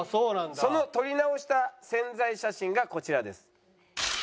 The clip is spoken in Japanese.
その撮り直した宣材写真がこちらです。